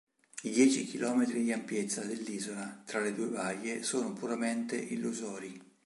I dieci chilometri di ampiezza dell'isola, tra le due baie, sono puramente illusori.